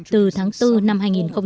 từ tháng bốn năm hai nghìn một mươi chín